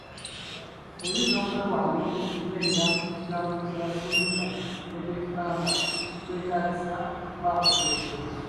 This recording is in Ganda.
Oyinza okwewaayo okunywerera ku kigambo kye wasuubiza ne bwekiba nti kikwetaagisa okubaako ky'ofiirwa.